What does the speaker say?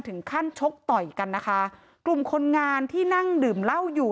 ชกต่อยกันนะคะกลุ่มคนงานที่นั่งดื่มเหล้าอยู่